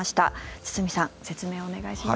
堤さん、説明をお願いします。